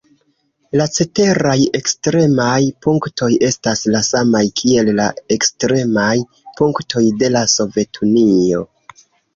La ceteraj ekstremaj punktoj estas la samaj kiel la ekstremaj punktoj de la Sovetunio.